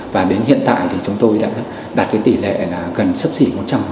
và đến hiện tại thì chúng tôi đã đạt tỷ lệ gần sấp xỉ một trăm linh